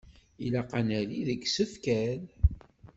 Ilaq ad nali deg isefkal.